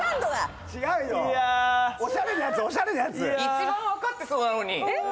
一番分かってそうなのに。